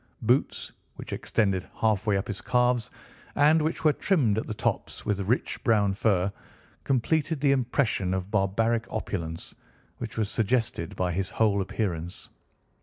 Boots which extended halfway up his calves, and which were trimmed at the tops with rich brown fur, completed the impression of barbaric opulence which was suggested by his whole appearance.